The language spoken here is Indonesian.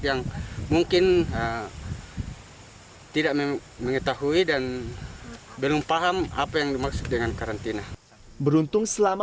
yang mungkin tidak mengetahui dan belum paham apa yang dimaksud dengan karantina beruntung selama